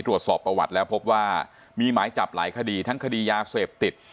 ตรวจสอบประวัติแล้วพบว่ามีหมายจับหลายคดีทั้งคดียาเสพติด